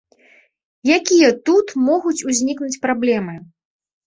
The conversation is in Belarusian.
Якія тут могуць узнікнуць праблемы?